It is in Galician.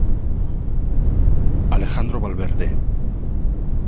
Alejandro Valverde.